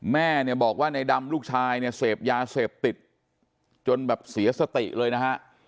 แม่เนี่ยบอกว่าในดำลูกชายเนี่ยเสพยาเสพติดจนแบบเสียสติเลยนะฮะ